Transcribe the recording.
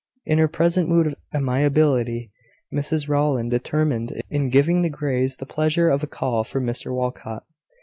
In her present mood of amiability, Mrs Rowland determined on giving the Greys the pleasure of a call from Mr Walcot.